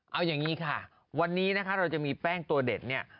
เอาอย่างนี้ค่ะวันนี้นะคะเราจะมีแป้งตัวเด็ดเนี่ย